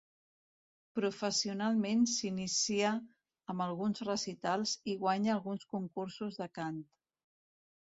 Professionalment s'inicia amb alguns recitals i guanya alguns concursos de cant.